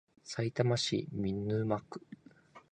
さいたま市見沼区